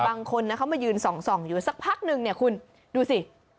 บางคนเขามายืนส่องอยู่สักพักนึงเนี่ยคุณดูสิ